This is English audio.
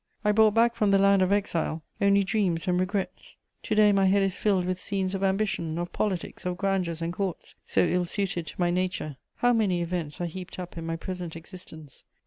I brought back from the land of exile only dreams and regrets; to day my head is filled with scenes of ambition, of politics, of grandeurs and Courts, so ill suited to my nature. How many events are heaped up in my present existence!